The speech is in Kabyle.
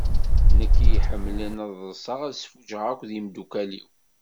Nekk iḥemlen ad ḍṣeɣ ad sfuǧɣeɣ akk d temdukkal-iw.